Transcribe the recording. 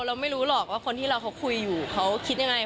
เราไม่รู้หรอกว่าคนที่เราเขาคุยอยู่เขาคิดยังไง